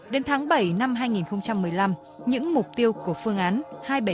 đến tháng bảy năm hai nghìn một mươi năm những mục tiêu của phương án hai trăm bảy mươi chín nll cơ bản đã đạt được